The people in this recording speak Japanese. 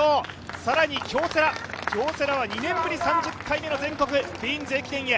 更に京セラ、２年ぶり３０回目の「クイーンズ駅伝」へ。